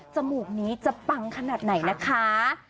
มูกนี้จะปังขนาดไหนนะคะ